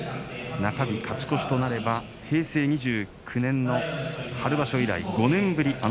中日勝ち越しとなれば平成２９年の春場所以来５年ぶり。